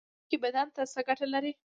هډوکي بدن ته څه ګټه لري؟